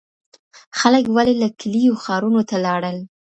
خلګ ولي له کلیو ښارونو ته لاړل؟